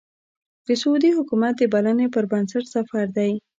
د سعودي حکومت د بلنې پر بنسټ سفر دی.